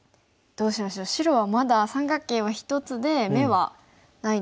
どうしましょう白はまだ三角形は１つで眼はないですよね。